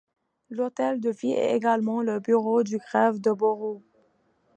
L'hôtel de Ville est également le bureau du greffe du Borough.